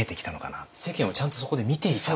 世間をちゃんとそこで見ていたと。